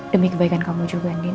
demi kebaikan kamu juga andin